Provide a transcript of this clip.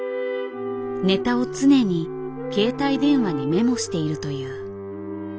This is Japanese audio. ネタを常に携帯電話にメモしているという。